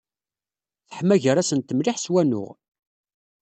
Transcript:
Teḥma gar-asent mliḥ s wanuɣ.